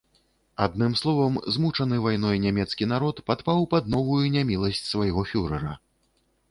Адным словам, змучаны вайной нямецкі народ падпаў пад новую няміласць свайго фюрэра.